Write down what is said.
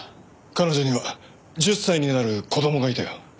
彼女には１０歳になる子供がいたよ。